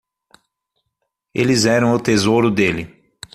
Eles eram o tesouro dele.